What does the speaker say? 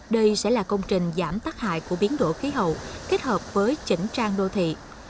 đây sẽ là công trình giảm tác hại của biến đổi khí hậu kết hợp với chỉnh trang đô thị